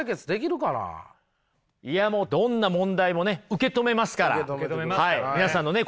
いやもうどんな問題もね受け止めますから。